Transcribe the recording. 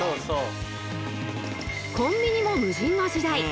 コンビニも無人の時代。